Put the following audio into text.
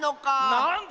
なんだ。